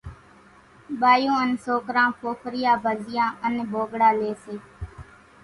ٻايُون انين سوڪران ڦوڦريا، ڀزيئان انين ڀوڳڙا ليئيَ سي۔